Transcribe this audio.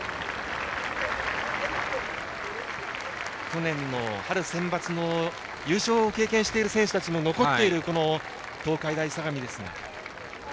去年の春センバツの優勝を経験している選手も残っている、東海大相模ですが。